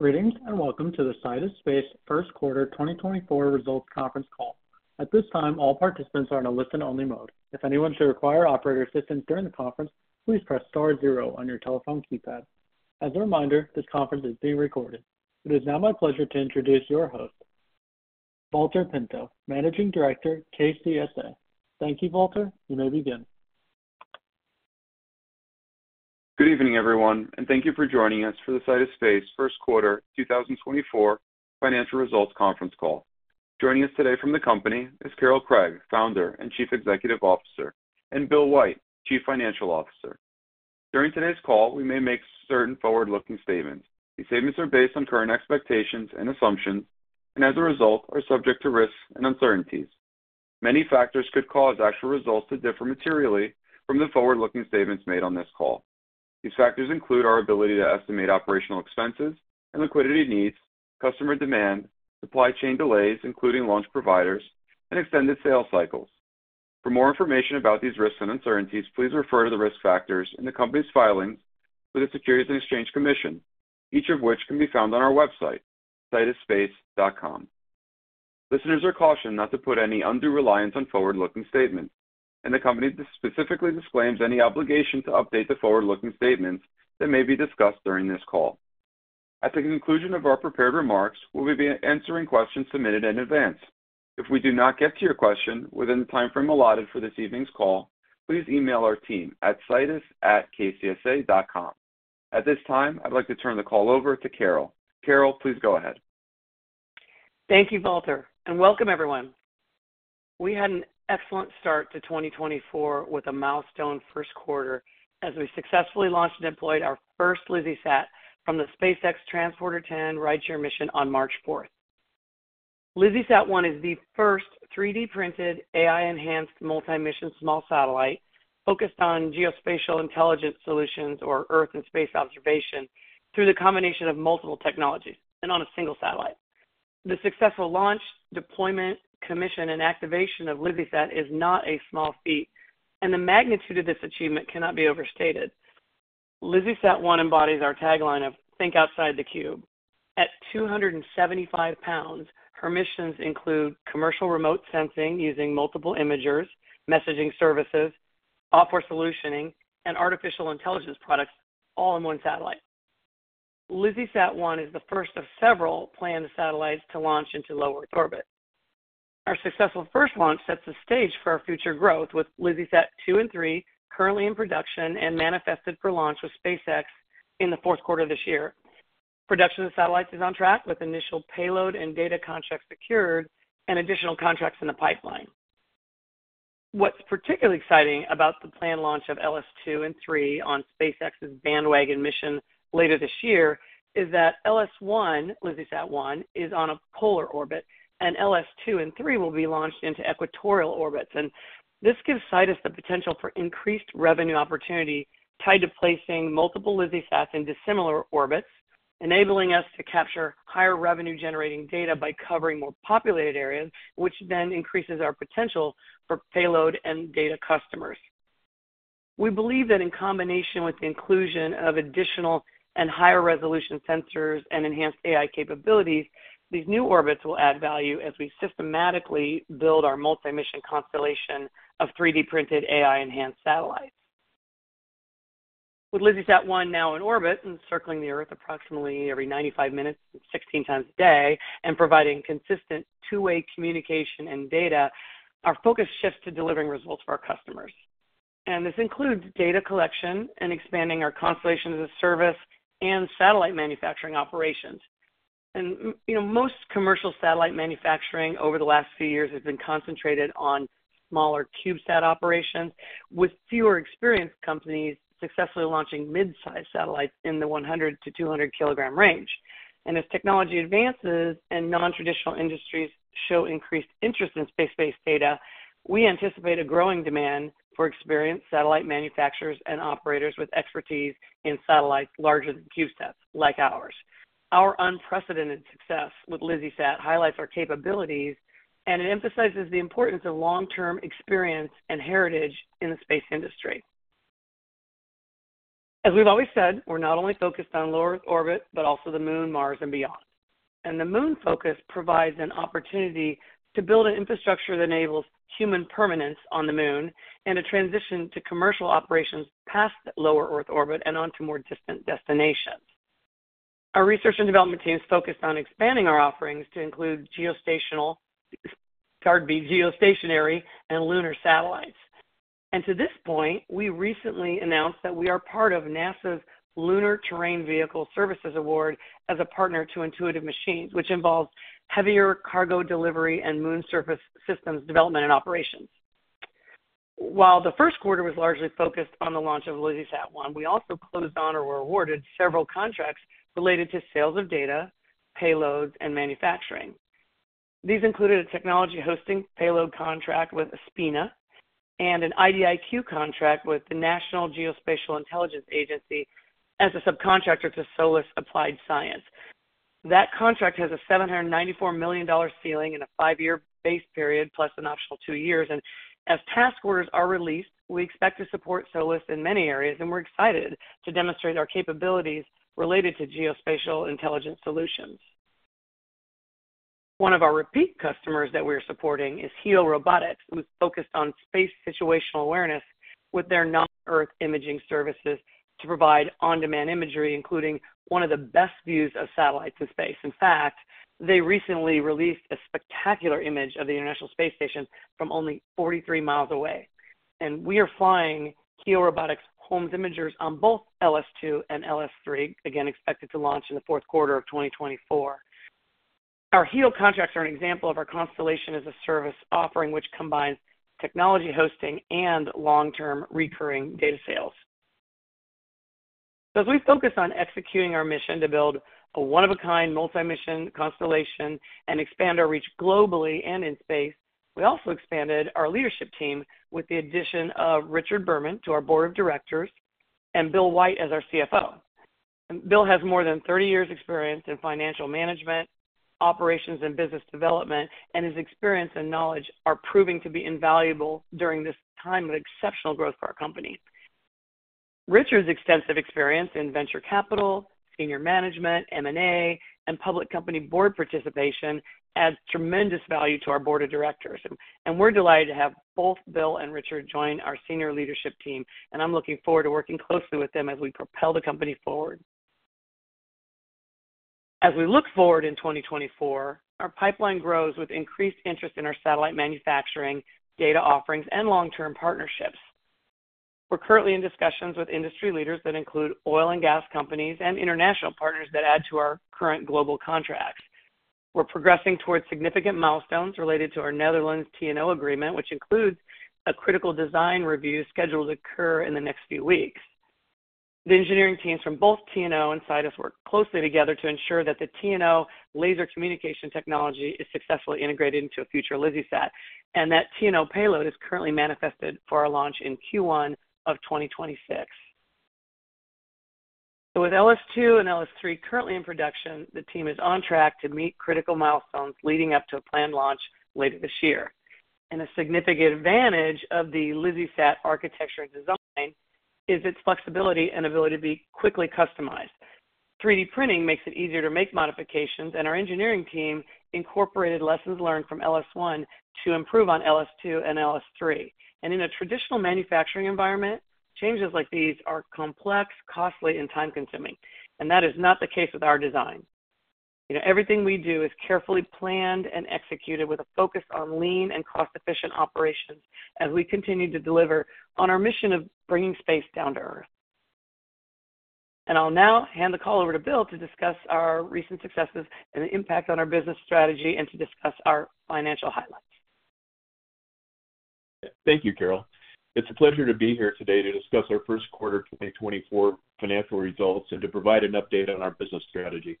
Greetings, and welcome to the Sidus Space Q1 2024 Results Conference Call. At this time, all participants are in a listen-only mode. If anyone should require operator assistance during the conference, please press star zero on your telephone keypad. As a reminder, this conference is being recorded. It is now my pleasure to introduce your host, Walter Pinto, Managing Director, KCSA. Thank you, Walter. You may begin. Good evening, everyone, and thank you for joining us for the Sidus Space Q1 2024 financial results conference call. Joining us today from the company is Carol Craig, Founder and Chief Executive Officer, and Bill White, Chief Financial Officer. During today's call, we may make certain forward-looking statements. These statements are based on current expectations and assumptions and as a result, are subject to risks and uncertainties. Many factors could cause actual results to differ materially from the forward-looking statements made on this call. These factors include our ability to estimate operational expenses and liquidity needs, customer demand, supply chain delays, including launch providers and extended sales cycles. For more information about these risks and uncertainties, please refer to the risk factors in the company's filings with the Securities and Exchange Commission, each of which can be found on our website, sidusspace.com. Listeners are cautioned not to put any undue reliance on forward-looking statements, and the company specifically disclaims any obligation to update the forward-looking statements that may be discussed during this call. At the conclusion of our prepared remarks, we'll be answering questions submitted in advance. If we do not get to your question within the time frame allotted for this evening's call, please email our team at sidus@kcsa.com. At this time, I'd like to turn the call over to Carol. Carol, please go ahead. Thank you, Walter, and welcome everyone. We had an excellent start to 2024 with a milestone Q1 as we successfully launched and deployed our first LizzieSat from the SpaceX Transporter-10 rideshare mission on March 4. LizzieSat-1 is the first 3D printed, AI-enhanced, multi-mission, small satellite focused on geospatial intelligence solutions or Earth and Space observation through the combination of multiple technologies and on a single satellite. The successful launch, deployment, commission, and activation of LizzieSat is not a small feat, and the magnitude of this achievement cannot be overstated. LizzieSat-1 embodies our tagline of "Think outside the cube." At 275 pounds, her missions include commercial remote sensing using multiple imagers, messaging services, software solutioning, and artificial intelligence products, all in one satellite. LizzieSat-1 is the first of several planned satellites to launch into Low Earth Orbit. Our successful first launch sets the stage for our future growth, with LizzieSat-2 and 3 currently in production and manifested for launch with SpaceX in the fourth quarter of this year. Production of satellites is on track, with initial payload and data contracts secured and additional contracts in the pipeline. What's particularly exciting about the planned launch of LS 2 and 3 on SpaceX's Bandwagon mission later this year is that LS-1, LizzieSat-1, is on a polar orbit, and LS 2 and 3 will be launched into equatorial orbits. And this gives Sidus the potential for increased revenue opportunity tied to placing multiple LizzieSats into similar orbits, enabling us to capture higher revenue-generating data by covering more populated areas, which then increases our potential for payload and data customers. We believe that in combination with the inclusion of additional and higher resolution sensors and enhanced AI capabilities, these new orbits will add value as we systematically build our multi-mission constellation of 3D printed AI-enhanced satellites. With LizzieSat-1 now in orbit and circling the Earth approximately every 95 minutes, 16 times a day, and providing consistent two-way communication and data, our focus shifts to delivering results for our customers. And this includes data collection and expanding our Constellation-as-a-Service and satellite manufacturing operations. And, you know, most commercial satellite manufacturing over the last few years has been concentrated on smaller CubeSat operations, with fewer experienced companies successfully launching mid-size satellites in the 100-200kg range. As technology advances and non-traditional industries show increased interest in space-based data, we anticipate a growing demand for experienced satellite manufacturers and operators with expertise in satellites larger than CubeSats, like ours. Our unprecedented success with LizzieSat highlights our capabilities, and it emphasizes the importance of long-term experience and heritage in the space industry. As we've always said, we're not only focused on low Earth orbit, but also the Moon, Mars, and beyond. And the Moon focus provides an opportunity to build an infrastructure that enables human permanence on the Moon and a transition to commercial operations past the Low Earth orbit and onto more distant destinations. Our research and development team is focused on expanding our offerings to include geostationary, pardon me, geostationary and lunar satellites. To this point, we recently announced that we are part of NASA's Lunar Terrain Vehicle Services Award as a partner to Intuitive Machines, which involves heavier cargo delivery and Moon surface systems development and operations. While Q1 was largely focused on the launch of LizzieSat-1, we also closed on or were awarded several contracts related to sales of data, payloads, and manufacturing. These included a technology hosting payload contract with Aspina and an IDIQ contract with the National Geospatial-Intelligence Agency as a subcontractor to Solis Applied Science. That contract has a $794 million ceiling and a five-year base period, plus an optional two years. As task orders are released, we expect to support Solis in many areas, and we're excited to demonstrate our capabilities related to geospatial intelligence solutions. One of our repeat customers that we're supporting is HEO Robotics, who's focused on space situational awareness with their non-Earth imaging services to provide on-demand imagery, including one of the best views of satellites in space. In fact, they recently released a spectacular image of the International Space Station from only 43 miles away, and we are flying HEO Robotics Holmes imagers on both LS-2 and LS-3, again, expected to launch in the fourth quarter of 2024. Our HEO contracts are an example of our Constellation as a Service offering, which combines technology hosting and long-term recurring data sales. So as we focus on executing our mission to build a one-of-a-kind, multi-mission constellation and expand our reach globally and in space, we also expanded our leadership team with the addition of Richard Berman to our board of directors and Bill White as our CFO. Bill has more than 30 years experience in financial management, operations, and business development, and his experience and knowledge are proving to be invaluable during this time of exceptional growth for our company. Richard's extensive experience in venture capital, senior management, M&A, and public company board participation adds tremendous value to our board of directors, and we're delighted to have both Bill and Richard join our senior leadership team, and I'm looking forward to working closely with them as we propel the company forward. As we look forward in 2024, our pipeline grows with increased interest in our satellite manufacturing, data offerings, and long-term partnerships. We're currently in discussions with industry leaders that include oil and gas companies and international partners that add to our current global contracts. We're progressing towards significant milestones related to our Netherlands TNO agreement, which includes a critical design review scheduled to occur in the next few weeks. The engineering teams from both TNO and Sidus work closely together to ensure that the TNO laser communication technology is successfully integrated into a future LizzieSat, and that TNO payload is currently manifested for our launch in Q1 of 2026. So with LS-2 and LS-3 currently in production, the team is on track to meet critical milestones leading up to a planned launch later this year. A significant advantage of the LizzieSat architecture and design is its flexibility and ability to be quickly customized. 3D printing makes it easier to make modifications, and our engineering team incorporated lessons learned from LS-1 to improve on LS-2 and LS-3. In a traditional manufacturing environment, changes like these are complex, costly, and time-consuming, and that is not the case with our design. You know, everything we do is carefully planned and executed with a focus on lean and cost-efficient operations as we continue to deliver on our mission of bringing space down to Earth. I'll now hand the call over to Bill to discuss our recent successes and the impact on our business strategy and to discuss our financial highlights. Thank you, Carol. It's a pleasure to be here today to discuss our Q1 2024 financial results and to provide an update on our business strategy.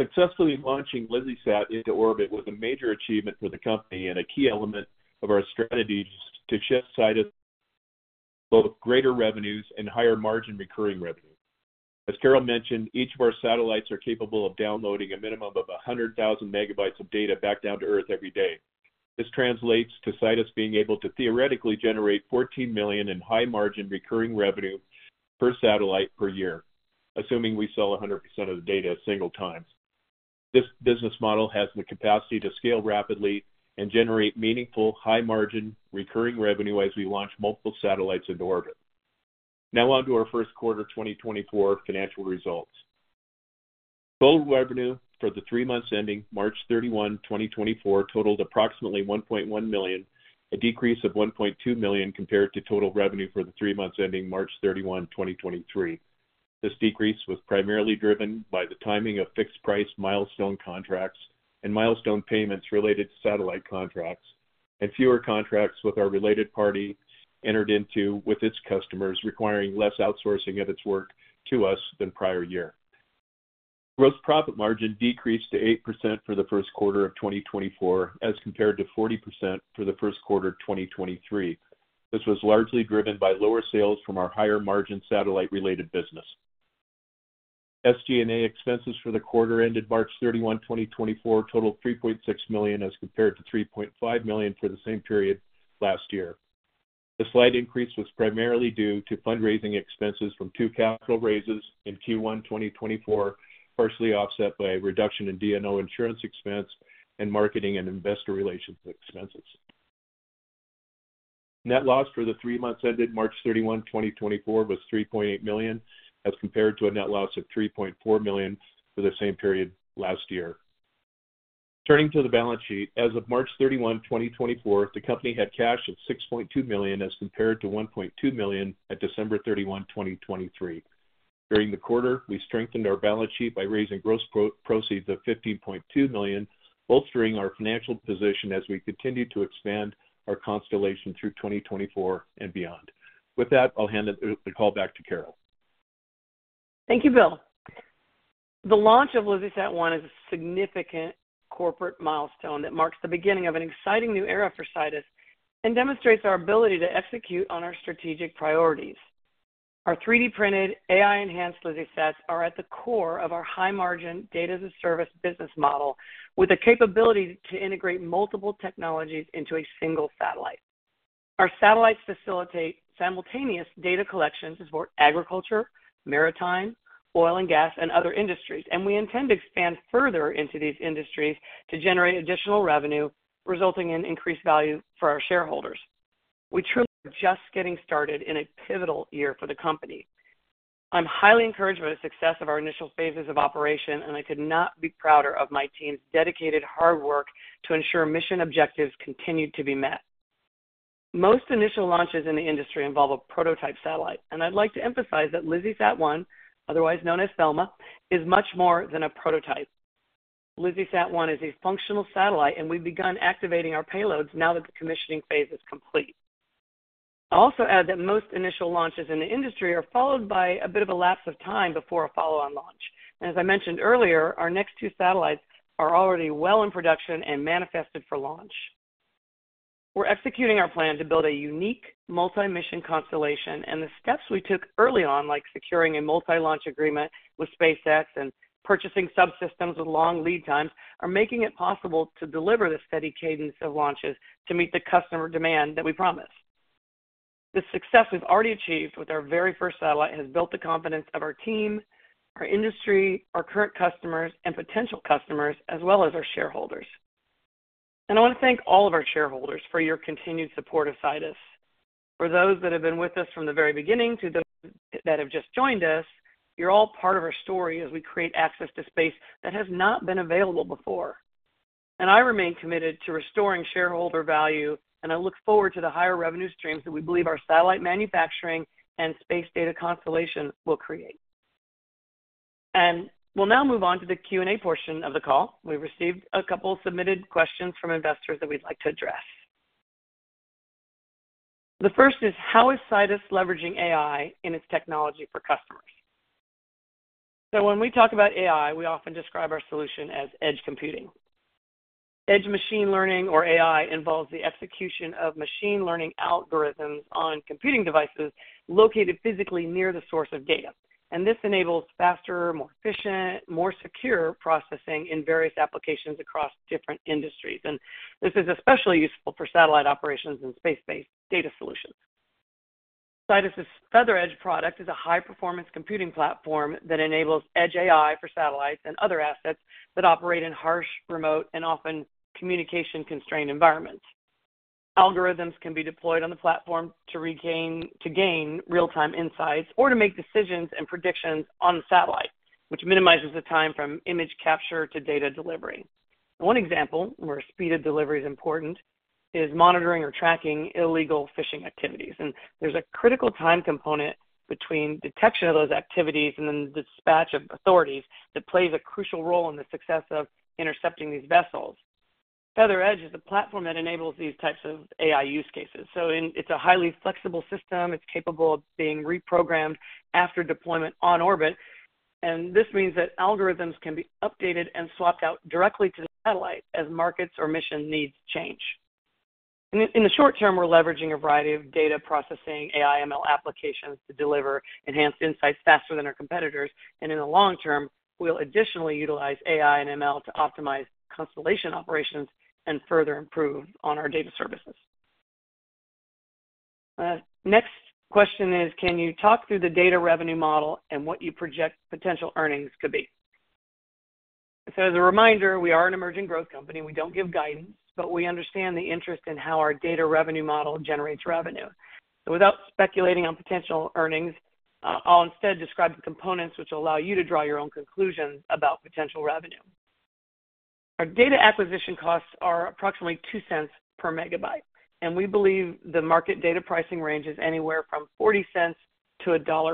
Successfully launching LizzieSat into orbit was a major achievement for the company and a key element of our strategies to shift Sidus both greater revenues and higher margin recurring revenue. As Carol mentioned, each of our satellites are capable of downloading a minimum of 100,000MB of data back down to Earth every day. This translates to Sidus being able to theoretically generate $14 million in high-margin, recurring revenue per satellite per year, assuming we sell 100% of the data a single time. This business model has the capacity to scale rapidly and generate meaningful, high-margin, recurring revenue as we launch multiple satellites into orbit. Now on to our Q1 2024 financial results. Total revenue for the three months ending March 31, 2024, totaled approximately $1.1, a decrease of 1.2 million compared to total revenue for the three months ending March 31, 2023. This decrease was primarily driven by the timing of fixed-price milestone contracts and milestone payments related to satellite contracts, and fewer contracts with our related party entered into with its customers, requiring less outsourcing of its work to us than prior year. Gross profit margin decreased to 8% for the Q1 of 2024, as compared to 40% for the Q1 of 2023. This was largely driven by lower sales from our higher-margin satellite-related business. SG&A expenses for the quarter ended March 31, 2024, totaled $3.6 as compared to 3.5 million for the same period last year. The slight increase was primarily due to fundraising expenses from two capital raises in Q1 2024, partially offset by a reduction in D&O insurance expense and marketing and investor relations expenses. Net loss for the three months ended March 31, 2024, was $3.8 as compared to a net loss of 3.4 million for the same period last year. Turning to the balance sheet, as of March 31, 2024, the company had cash of $6.2 as compared to 1.2 million at December 31, 2023. During the quarter, we strengthened our balance sheet by raising gross proceeds of $15.2 million, bolstering our financial position as we continue to expand our constellation through 2024 and beyond. With that, I'll hand the call back to Carol. Thank you, Bill. The launch of LizzieSat-1 is a significant corporate milestone that marks the beginning of an exciting new era for Sidus and demonstrates our ability to execute on our strategic priorities. Our 3D-printed, AI-enhanced LizzieSats are at the core of our high-margin Data-as-a-Service business model, with the capability to integrate multiple technologies into a single satellite. Our satellites facilitate simultaneous data collections for agriculture, maritime, oil and gas, and other industries, and we intend to expand further into these industries to generate additional revenue, resulting in increased value for our shareholders. We truly are just getting started in a pivotal year for the company. I'm highly encouraged by the success of our initial phases of operation, and I could not be prouder of my team's dedicated hard work to ensure mission objectives continued to be met. Most initial launches in the industry involve a prototype satellite, and I'd like to emphasize that LizzieSat-1, otherwise known as Thelma, is much more than a prototype. LizzieSat-1 is a functional satellite, and we've begun activating our payloads now that the commissioning phase is complete. I'll also add that most initial launches in the industry are followed by a bit of a lapse of time before a follow-on launch. As I mentioned earlier, our next two satellites are already well in production and manifested for launch. We're executing our plan to build a unique multi-mission constellation, and the steps we took early on, like securing a multi-launch agreement with SpaceX and purchasing subsystems with long lead times, are making it possible to deliver this steady cadence of launches to meet the customer demand that we promised. The success we've already achieved with our very first satellite has built the confidence of our team, our industry, our current customers, and potential customers, as well as our shareholders. And I wanna thank all of our shareholders for your continued support of Sidus. For those that have been with us from the very beginning to those that have just joined us, you're all part of our story as we create access to space that has not been available before. And I remain committed to restoring shareholder value, and I look forward to the higher revenue streams that we believe our satellite manufacturing and space data constellation will create. And we'll now move on to the Q&A portion of the call. We've received a couple submitted questions from investors that we'd like to address. The first is: how is Sidus leveraging AI in its technology for customers? So when we talk about AI, we often describe our solution as edge computing. Edge machine learning, or AI, involves the execution of machine learning algorithms on computing devices located physically near the source of data. And this enables faster, more efficient, more secure processing in various applications across different industries. And this is especially useful for satellite operations and space-based data solutions. Sidus's FeatherEdge product is a high-performance computing platform that enables edge AI for satellites and other assets that operate in harsh, remote, and often communication-constrained environments. Algorithms can be deployed on the platform to gain real-time insights or to make decisions and predictions on the satellite, which minimizes the time from image capture to data delivery. One example where speed of delivery is important is monitoring or tracking illegal fishing activities, and there's a critical time component between detection of those activities and then the dispatch of authorities that plays a crucial role in the success of intercepting these vessels. FeatherEdge is a platform that enables these types of AI use cases, so it's a highly flexible system. It's capable of being reprogrammed after deployment on orbit, and this means that algorithms can be updated and swapped out directly to the satellite as markets or mission needs change. In the short term, we're leveraging a variety of data processing AI ML applications to deliver enhanced insights faster than our competitors, and in the long term, we'll additionally utilize AI and ML to optimize constellation operations and further improve on our data services. Next question is: Can you talk through the data revenue model and what you project potential earnings could be? As a reminder, we are an emerging growth company. We don't give guidance, but we understand the interest in how our data revenue model generates revenue. Without speculating on potential earnings, I'll instead describe the components which allow you to draw your own conclusions about potential revenue. Our data acquisition costs are approximately $0.02 per MB, and we believe the market data pricing range is anywhere from $0.40-1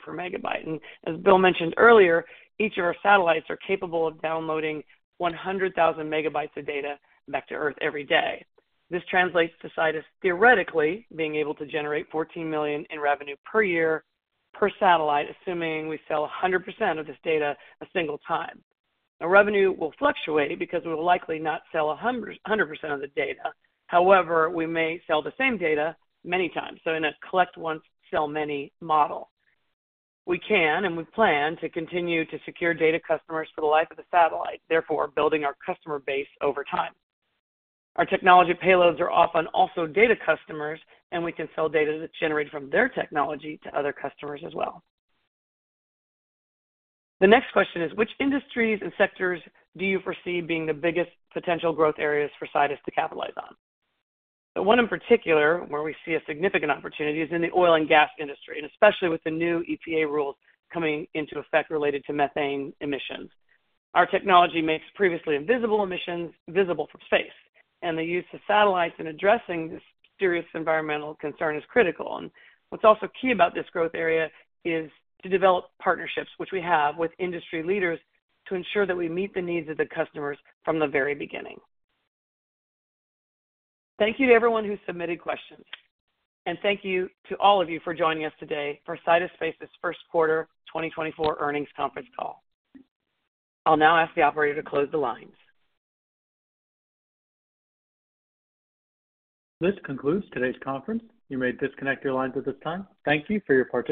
per MB. As Bill mentioned earlier, each of our satellites are capable of downloading 100,000MB of data back to Earth every day. This translates to Sidus theoretically being able to generate $14 million in revenue per year per satellite, assuming we sell 100% of this data a single time. Now, revenue will fluctuate because we'll likely not sell a hundred, 100% of the data. However, we may sell the same data many times, so in a collect once, sell many model. We can and we plan to continue to secure data customers for the life of the satellite, therefore, building our customer base over time. Our technology payloads are often also data customers, and we can sell data that's generated from their technology to other customers as well. The next question is: which industries and sectors do you foresee being the biggest potential growth areas for Sidus to capitalize on? One in particular, where we see a significant opportunity, is in the oil and gas industry, and especially with the new EPA rules coming into effect related to methane emissions. Our technology makes previously invisible emissions visible from space, and the use of satellites in addressing this serious environmental concern is critical. What's also key about this growth area is to develop partnerships, which we have with industry leaders, to ensure that we meet the needs of the customers from the very beginning. Thank you to everyone who submitted questions, and thank you to all of you for joining us today for Sidus Q1 2024 Earnings Conference Call. I'll now ask the operator to close the lines. This concludes today's conference. You may disconnect your lines at this time. Thank you for your participation.